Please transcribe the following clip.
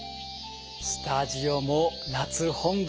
スタジオも夏本番。